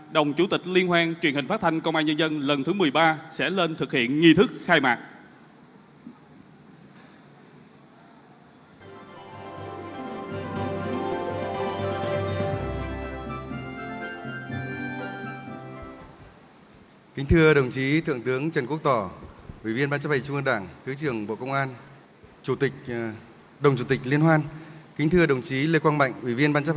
đồng chủ tịch liên hoan truyền hình phát thanh công an nhân dân lần thứ một mươi ba sẽ lên thực hiện nghi thức khai mạc